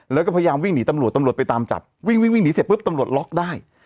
แล้วก็พยายามวิ่งหนีตำรวจตำรวจไปตามจับวิ่งวิ่งหนีเสร็จปุ๊บตำรวจล็อกได้